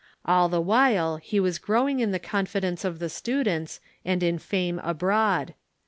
All the while he w^as growing in the confidence of the students and in fame abroad.